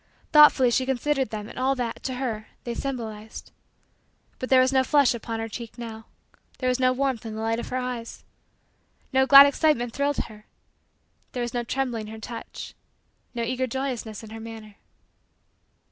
Thoughtfully she considered them and all that, to her, they symbolized. But there was no flush upon her cheek now. There was no warmth in the light of her eyes. No glad excitement thrilled her. There was no trembling in her touch no eager joyousness in her manner.